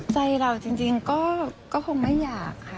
ใจเราจริงก็คงไม่อยากค่ะ